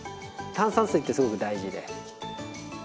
炭酸水ってすごく大事で。